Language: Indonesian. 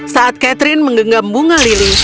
saat catherine menggenggam bunga lili